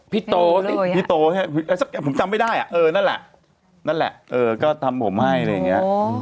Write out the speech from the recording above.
พี่โตสิพี่โตผมจำไม่ได้อ่ะเออนั่นแหละนั่นแหละก็ทำผมให้อะไรอย่างนี้